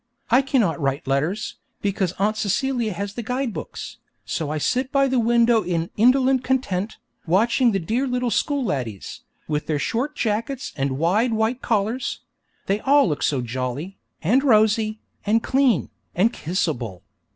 I cannot write letters, because Aunt Celia has the guide books, so I sit by the window in indolent content, watching the dear little school laddies, with their short jackets and wide white collars; they all look so jolly, and rosy, and clean, and kissable.